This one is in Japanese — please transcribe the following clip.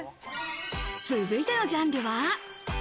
続いてのジャンルは。